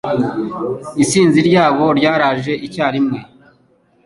Isinzi ryabo ryaraje icyarimwe